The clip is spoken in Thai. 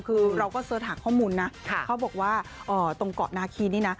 คือเราก็เสิร์ชหาข้อมูลนะเขาบอกว่าตรงเกาะนาคีนี่นะ